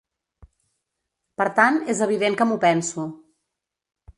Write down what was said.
Per tant, és evident que m’ho penso.